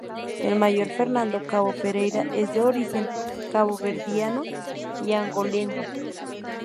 El mayor Fernando "Cobo" Pereira es de origen caboverdiano y angoleño.